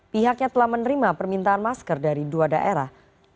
pihaknya telah menerima permintaan masker dari dua daerah